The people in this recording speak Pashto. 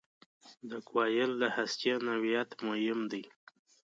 د کوایل د هستې نوعیت مهم دی.